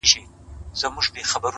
o گراني زر واره درتا ځار سمه زه؛